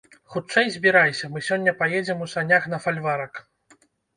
Хутчэй збірайся, мы сёння паедзем у санях на фальварак.